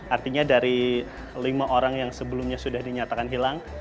artinya dari lima orang yang sebelumnya sudah dinyatakan hilang